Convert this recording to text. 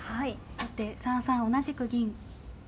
後手３三同じく銀。